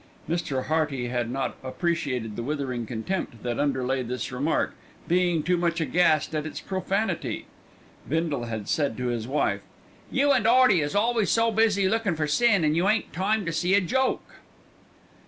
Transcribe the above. Mr. Hearty had not appreciated the withering contempt that underlay this remark, being too much aghast at its profanity. Bindle had said to his wife: "You and 'Earty is always so busy lookin' for sin that you ain't time to see a joke."